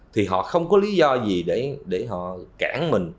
thì họ không có lý do gì để họ cản mình